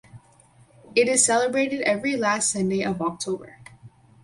It is celebrated every last Sunday of October.